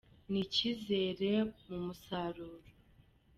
n’icyizere mu musaruro.